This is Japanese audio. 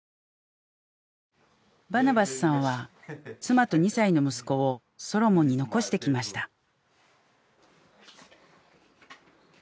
バナバスさんは妻と２歳の息子をソロモンに残してきました。